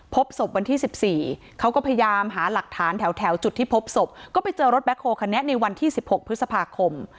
พบศพวันที่๑๔เขาก็พยายามหาหลักฐานแถวจุดที่พบศพก็ไปเจอรถแคลคันนี้ในวันที่๑๖พฤษภาคม